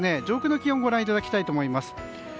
上空の気温をご覧いただきたいと思います。